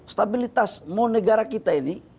stabilitas negara kita ini